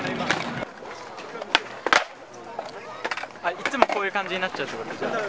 いっつもこういう感じになっちゃうってこと？